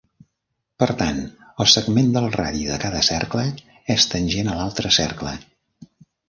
Per tant, el segment del radi de cada cercle és tangent a l'altre cercle.